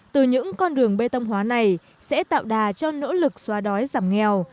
từ những con đường bê tông hóa này sẽ tạo đà cho nỗ lực xóa đói giảm nghèo